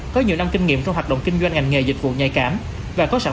có nhiều năm kinh nghiệm trong hoạt động kinh doanh ngành nghề dịch vụ nhạy cảm và có sản